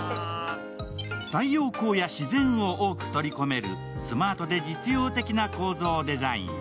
太陽光や自然を多く取り込めるスマートで実用的な構造デザイン。